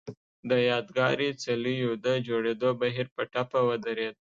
د یادګاري څليو د جوړېدو بهیر په ټپه ودرېد.